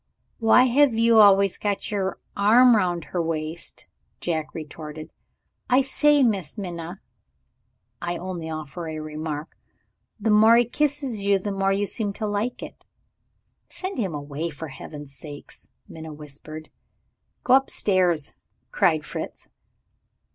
"Why have you always got your arm round her waist?" Jack retorted. "I say, Miss Minna (I only offer a remark), the more he kisses you the more you seem to like it." "Send him away, for Heaven's sake!" Minna whispered. "Go upstairs!" cried Fritz.